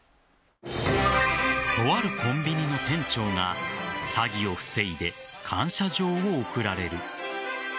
とあるコンビニの店長が詐欺を防いで感謝状を贈られる。